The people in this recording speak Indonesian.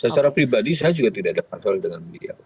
secara pribadi saya juga tidak ada patroli dengan beliau